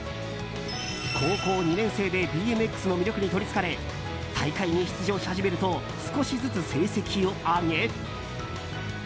高校２年生でＢＭＸの魅力にとりつかれ大会に出場し始めると少しずつ成績を上げ